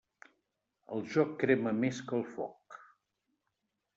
El joc crema més que el foc.